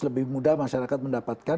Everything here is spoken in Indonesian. lebih mudah masyarakat mendapatkan